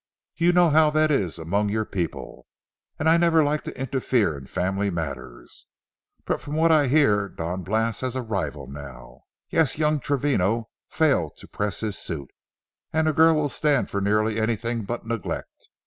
You know how that is among your people; and I never like to interfere in family matters. But from what I hear Don Blas has a rival now. Yes; young Travino failed to press his suit, and a girl will stand for nearly anything but neglect.